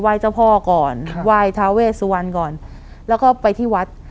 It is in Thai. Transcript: เจ้าพ่อก่อนไหว้ทาเวสวรรณก่อนแล้วก็ไปที่วัด